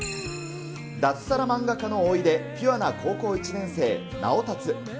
脱サラ漫画家のおいで、ピュアな高校１年生、直達。